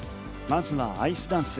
まずはアイスダンス。